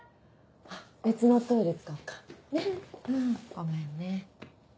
ごめんね。